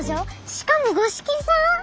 しかも五色さん！？